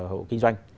hộ kinh doanh